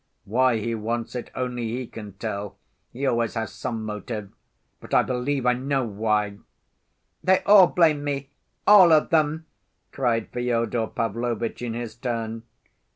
Why he wants it only he can tell. He always has some motive. But I believe I know why—" "They all blame me, all of them!" cried Fyodor Pavlovitch in his turn.